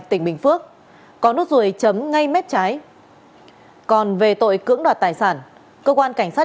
tỉnh bình phước có nốt ruồi chấm ngay mép trái còn về tội cưỡng đoạt tài sản cơ quan cảnh sát